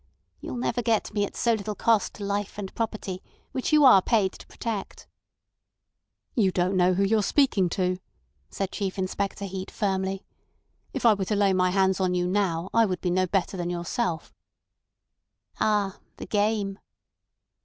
You'll never get me at so little cost to life and property, which you are paid to protect." "You don't know who you're speaking to," said Chief Inspector Heat firmly. "If I were to lay my hands on you now I would be no better than yourself." "Ah! The game!